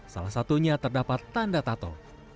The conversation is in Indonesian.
salah satunya terdapat tanda tato